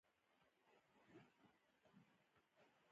حضرت عمر فاروق یو ځل د حج په ورځو کې چارواکي را وغوښتل.